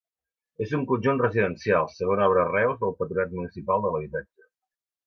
És un conjunt residencial, segona obra a Reus del Patronat Municipal de l'Habitatge.